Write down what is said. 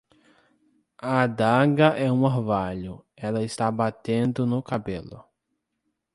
A adaga é um orvalho, ela está batendo no cabelo.